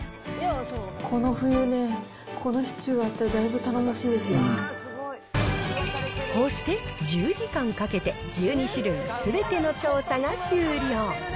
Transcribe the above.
この冬ね、このシチューあったらだいぶこうして、１０時間かけて、１２種類すべての調査が終了。